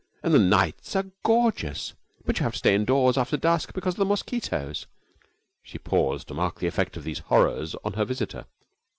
'And the nights are gorgeous, but you have to stay indoors after dusk because of the mosquitoes.' She paused to mark the effect of these horrors on her visitor.